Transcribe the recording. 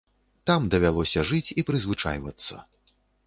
Там давялося жыць і прызвычайвацца.